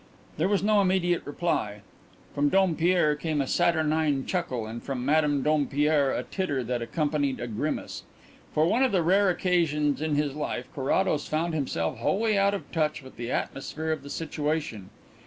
There was no immediate reply. From Dompierre came a saturnine chuckle and from Madame Dompierre a titter that accompanied a grimace. For one of the rare occasions in his life Carrados found himself wholly out of touch with the atmosphere of the situation.